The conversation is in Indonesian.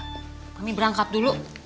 udah kami berangkat dulu